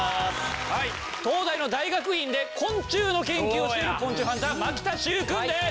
東大の大学院で昆虫の研究をしている昆虫ハンター牧田習君です。